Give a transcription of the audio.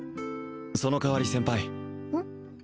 その代わり先輩うん？